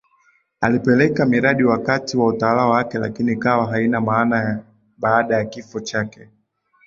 alipeleka miradi wakati wa utawala wake lakini ikawa haina maana baada ya kifo chake